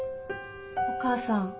お母さん。